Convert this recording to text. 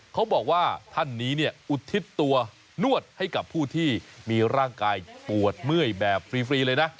เขาบอกว่าท่านนี้เนี่ยอุทิศตัวนวดให้กับผู้ที่มีร่างกายปวดเมื่อยแบบฟรีเลยนะ